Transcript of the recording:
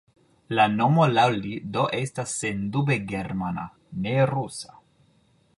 La nomo laŭ li do estas sendube germana, ne rusa.